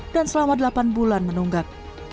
dan selama delapan bulan menunggak